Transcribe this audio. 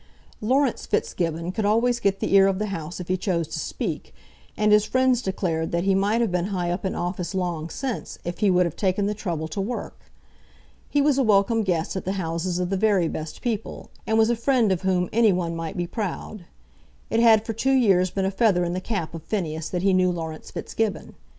Laurence Fitzgibbon could always get the ear of the House if he chose to speak, and his friends declared that he might have been high up in office long since if he would have taken the trouble to work. He was a welcome guest at the houses of the very best people, and was a friend of whom any one might be proud. It had for two years been a feather in the cap of Phineas that he knew Laurence Fitzgibbon.